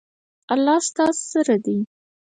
الله ستاسو سره دی